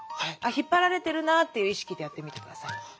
引っ張られてるなっていう意識でやってみて下さい。